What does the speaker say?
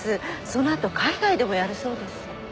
そのあと海外でもやるそうです。